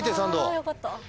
あよかった。